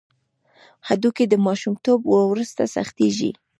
هډوکي د ماشومتوب وروسته سختېږي.